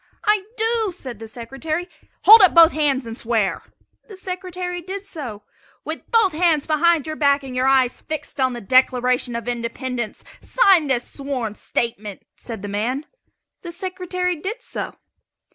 "I do," said the Secretary. "Hold up both hands and swear!" The Secretary did so. "With both hands behind your back and your eyes fixed on the Declaration of Independence sign this sworn statement," said the man. The Secretary did so.